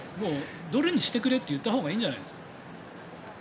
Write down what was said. ドルにしてくれって言ったほうがいいんじゃないですか。